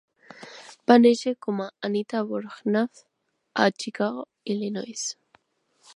Va néixer com a Anita Borg Naffz a Chicago, Illinois.